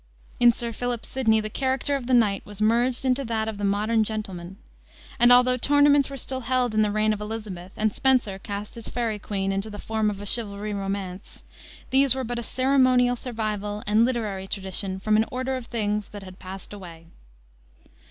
In Sir Philip Sidney the character of the knight was merged into that of the modern gentleman. And although tournaments were still held in the reign of Elizabeth, and Spenser cast his Faery Queene into the form of a chivalry romance, these were but a ceremonial survival and literary tradition from an order of things that had passed away.